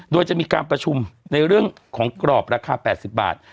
โดยจะมีการประชุมในเรื่องของกรอบราคา๘๐บาท